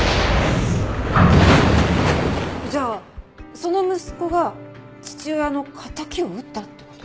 じゃあその息子が父親の敵を討ったって事？